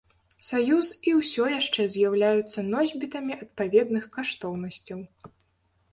Саюз і ўсё яшчэ з'яўляюцца носьбітамі адпаведных каштоўнасцяў.